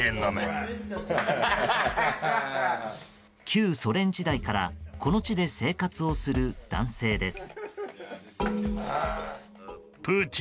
旧ソ連時代からこの地で生活をする男性です。